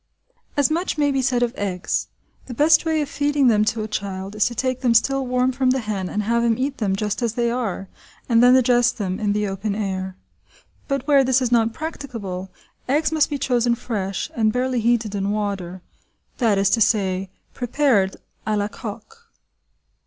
As much may be said of eggs; the best way of feeding them to a child is to take them still warm from the hen and have him eat them just as they are, and then digest them in the open air. But where this is not prac ticable, eggs must be chosen fresh, and barely heated in water, that is to say, prepared à la coque.